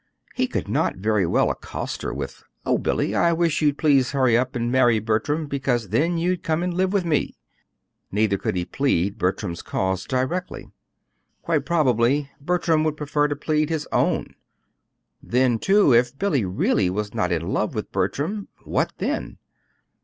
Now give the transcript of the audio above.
He could not very well accost her with: "Oh, Billy, I wish you'd please hurry up and marry Bertram, because then you'd come and live with me." Neither could he plead Bertram's cause directly. Quite probably Bertram would prefer to plead his own. Then, too, if Billy really was not in love with Bertram what then?